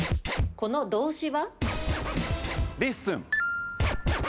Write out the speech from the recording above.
この動詞は？